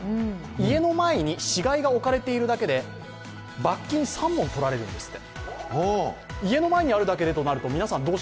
家の前に死骸が置かれているだけで罰金三文取られるんですって。